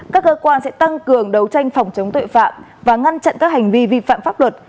các cơ quan sẽ tăng cường đấu tranh phòng chống tội phạm và ngăn chặn các hành vi vi phạm pháp luật